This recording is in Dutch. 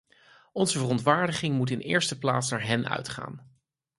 Onze verontwaardiging moet in de eerste plaats naar hen uitgaan.